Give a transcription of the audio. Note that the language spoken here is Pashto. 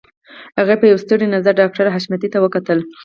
هغې په يوه ستړي نظر ډاکټر حشمتي ته وکتل.